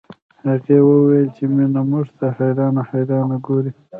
هغې وويل چې مينه موږ ته حيرانه حيرانه ګوري